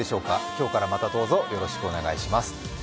今日からまたどうぞよろしくお願いします。